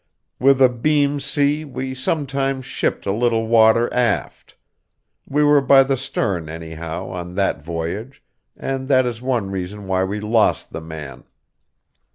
With a beam sea we sometimes shipped a little water aft. We were by the stern, anyhow, on that voyage, and that is one reason why we lost the man.